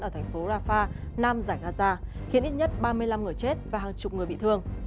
ở thành phố rafah nam giải gaza khiến ít nhất ba mươi năm người chết và hàng chục người bị thương